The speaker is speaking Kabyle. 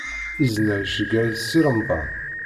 Izen-a iceyyeɛ-it Si Remḍan